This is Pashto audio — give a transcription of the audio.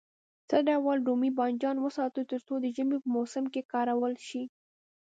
څه ډول رومي بانجان وساتو تر څو د ژمي په موسم کې کارول شي.